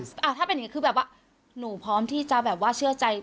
ถ้าเป็นอย่างนี้คือแบบว่าหนูพร้อมที่จะแบบว่าเชื่อใจ